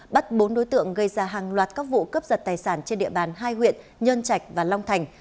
bắt bốn đối tượng gây ra hàng loạt các vụ cướp giật tài sản trên địa bàn hai huyện nhơn trạch và long thành